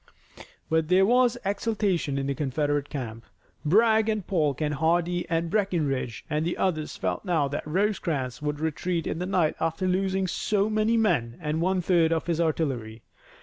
But there was exultation in the Confederate camp. Bragg and Polk and Hardee and Breckinridge and the others felt now that Rosecrans would retreat in the night after losing so many men and one third of his artillery.